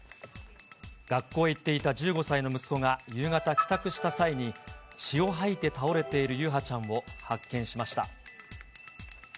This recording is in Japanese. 学校へ行っていた１５歳の息子が夕方帰宅した際に、血を吐いて倒れている優陽ちゃんを発見しました。